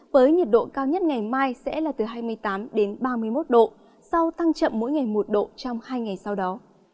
với nhiệt độ cao nhất ngày mai sẽ là từ hai mươi tám ba mươi một độ sau tăng chậm mỗi ngày một độ trong hai ngày sau đó